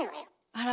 あら。